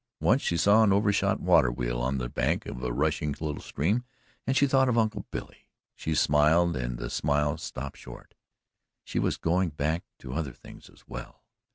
Once she saw an overshot water wheel on the bank of the rushing little stream and she thought of Uncle Billy; she smiled and the smile stopped short she was going back to other things as well.